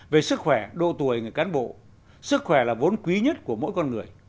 về sức khỏe độ tuổi người cán bộ sức khỏe là vốn quý nhất của mỗi con người